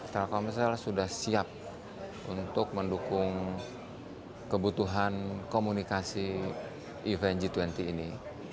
telkomsel sudah siap untuk mendukung kebutuhan komunikasi event g dua puluh ini